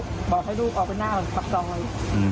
ก็เลยบอกให้ลูกออกไปหน้ากลับซอย